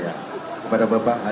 dan saya banggakan